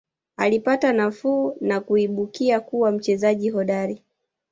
Alipata nafuu na kuibukia kuwa mchezaji hodari